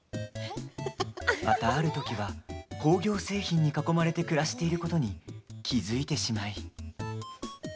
また、ある時は、工業製品に囲まれて暮らしていることに気付いてしまい。